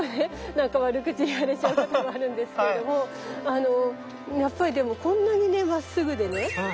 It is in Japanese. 何か悪口言われちゃうこともあるんですけどやっぱりでもこんなにねまっすぐでね